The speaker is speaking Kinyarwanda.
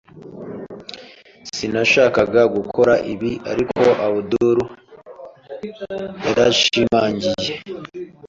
Sinashakaga gukora ibi, ariko Abdul yarashimangiye.